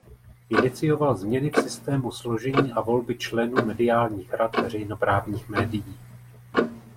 Inicioval změny v systému složení a volby členů mediálních rad veřejnoprávních médií.